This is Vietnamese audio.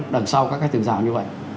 đằng sau các cái tường rào như vậy